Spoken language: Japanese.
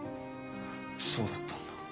そうだったんだ。